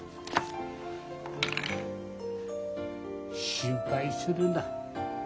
心配するな。